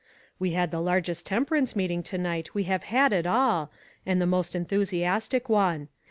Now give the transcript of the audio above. "We had the largest temperance meet ing to night we have had at all, and the most enthusiastic one.